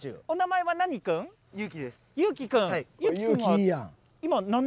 お名前は何君？